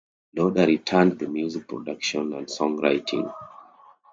Lowder returned to music production and song writing.